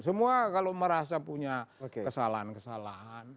semua kalau merasa punya kesalahan kesalahan